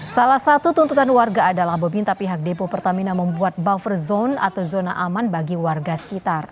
salah satu tuntutan warga adalah meminta pihak depo pertamina membuat buffer zone atau zona aman bagi warga sekitar